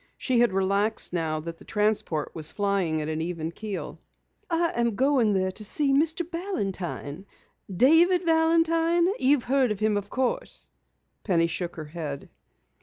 She had relaxed now that the transport was flying at an even keel. "I am going there to see Mr. Balantine David Balantine. You've heard of him, of course." Penny shook her head.